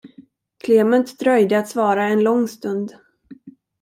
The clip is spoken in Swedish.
Klement dröjde att svara en lång stund.